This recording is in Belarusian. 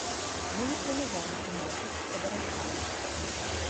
Мы не планавалі ніякіх падаражанняў.